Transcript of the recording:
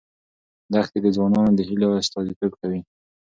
دښتې د ځوانانو د هیلو استازیتوب کوي.